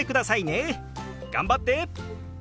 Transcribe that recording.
頑張って！